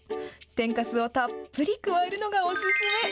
天かすをたっぷり加えるのがお勧め。